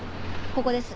ここです。